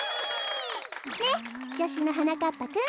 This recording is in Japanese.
ねっじょしゅのはなかっぱくん。